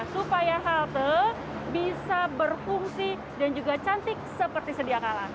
supaya halte bisa berfungsi dan juga cantik seperti sediakala